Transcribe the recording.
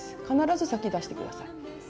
必ず先を出して下さい。